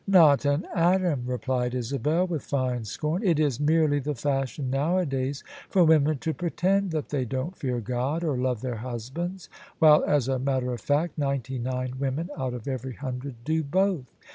" Not an atom !" replied Isabel with fine scorn, " It is merely the fashion nowadays for women to pretend that they don't fear God or love their husbands : while, as a mat ter of fact, ninety nine women out of every hundred do both.